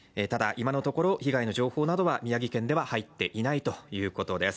今のところ、被害の情報などは宮城県では入っていないということです。